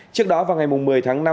trước đó vào ngày một mươi tháng năm